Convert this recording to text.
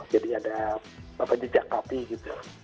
jadi ada jejak kapi gitu